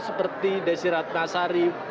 seperti desi ratnasari